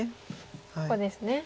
ここですね。